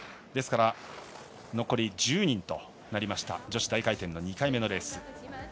ですから、残り１０人となった女子大回転の２回目のレース。